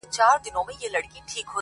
o تر دې ولاړي په خرپ نړېدلې ښه ده.